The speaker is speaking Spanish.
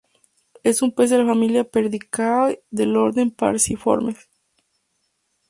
Es un pez de la familia Percidae del orden Perciformes.